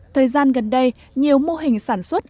thời gian gần đây nhiều mô hình sản xuất